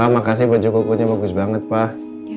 makasih bagus banget pak